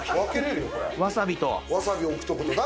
わさびと。